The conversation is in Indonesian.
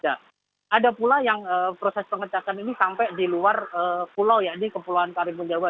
ada pula yang proses pengecakan ini sampai di luar pulau ya di kepulauan karimun jawa